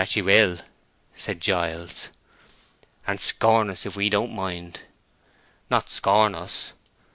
"That she will," said Giles. "And scorn us if we don't mind." "Not scorn us."